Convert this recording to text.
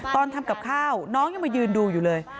ตอนทำกับข้าวน้องยังมายืนดูอยู่เลย